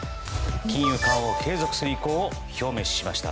金融緩和を継続する意向を表明しました。